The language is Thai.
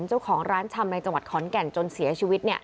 เจ้าของร้านชำในจังหวัดขอนแก่นจนเสียชีวิต